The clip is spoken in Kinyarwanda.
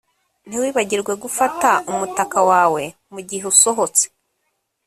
Ntiwibagirwe gufata umutaka wawe mugihe usohotse